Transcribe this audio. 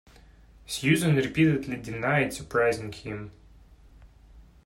Susan repeatedly denied surprising him.